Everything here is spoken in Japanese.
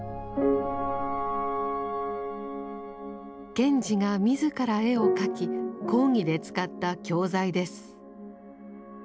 賢治が自ら絵を描き講義で使った教材です。